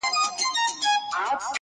رنګ په رنګ به یې راوړله دلیلونه-